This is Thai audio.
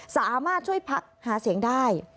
สามารถช่วยพักหาเสียงได้